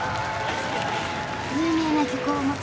有名な漁港を持つ